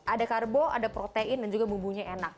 ada karbo ada protein dan juga bumbunya enak